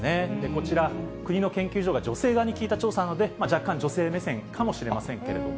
こちら、国の研究所が女性側に聞いた調査なので、若干女性目線かもしれませんけれども。